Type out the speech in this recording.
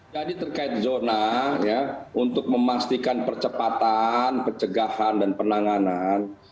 jadi terkait zona untuk memastikan percepatan pencegahan dan penanganan